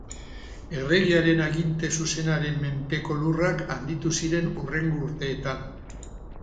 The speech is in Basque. Erregearen aginte zuzenaren menpeko lurrak handitu ziren hurrengo urteetan.